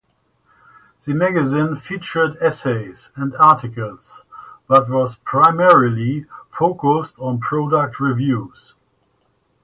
The magazine featured essays and articles, but was primarily focused on product reviews.